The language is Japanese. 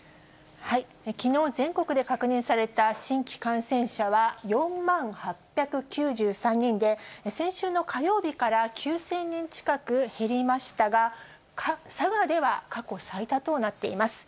きのう、全国で確認された新規感染者は４万８９３人で、先週の火曜日から９０００人近く減りましたが、佐賀では、過去最多となっています。